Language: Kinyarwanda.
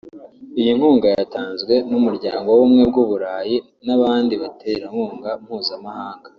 Iyi nkunga yatanzwe n’Umuryango w’Ubumwe bw’u Burayi n’abandi baterankunga mpuzamahanga